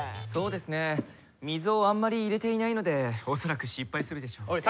そうですね水をあんまり入れていないのでおそらく失敗するでしょう。